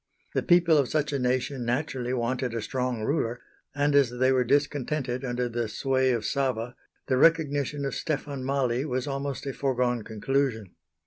The people of such a nation naturally wanted a strong ruler, and as they were discontented under the sway of Sava the recognition of Stefan Mali was almost a foregone conclusion.